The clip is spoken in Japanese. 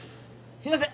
すいません